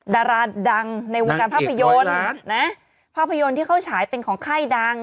ดาราดังในวงการภาพยนตร์นะภาพยนตร์ที่เขาฉายเป็นของค่ายดัง